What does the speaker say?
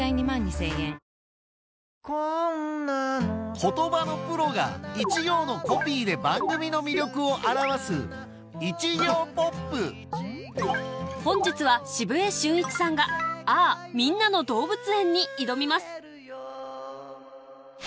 言葉のプロが一行のコピーで番組の魅力を表す本日は澁江俊一さんが『嗚呼‼みんなの動物園』に挑みます